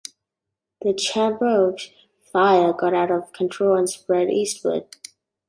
The Champoeg Fire got out of control and spread eastward.